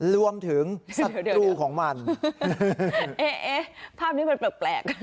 รวมถึงสัตว์ตู้ของมันเอ๊เอ๊ภาพนี้มันแปลกแปลก